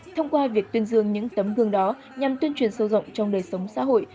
thông qua việc tuyên dương những tấm gương đó nhằm tuyên truyền sâu rộng trong đời sống xã hội